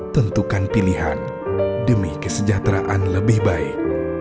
tentukan pilihan demi kesejahteraan lebih baik